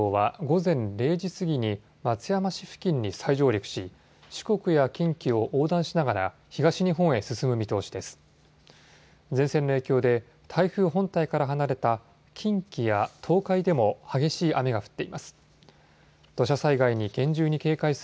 前線の影響で台風本体から離れた近畿や東海でも激しい雨が降っています。